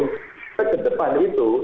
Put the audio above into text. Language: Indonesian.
kita kedepan itu